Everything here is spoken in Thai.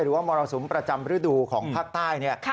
มรสุมประจำฤดูของภาคใต้เนี่ย